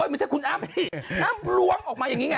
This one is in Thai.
โอ๊ยมันใช่คุณอัมนี่อัมล้วมออกมายังนี้ไง